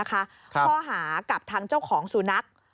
ข้อหากับทางเจ้าของสุนัข